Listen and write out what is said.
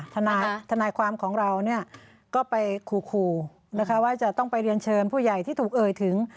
ทนายความของเราเนี่ยก็ไปขู่นะคะว่าจะต้องไปเรียนเชิญผู้ใหญ่ที่ถูกเอ่ยถึง